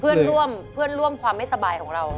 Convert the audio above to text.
เพื่อนร่วมความไม่สบายของเรา